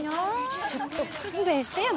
ちょっと勘弁してよ。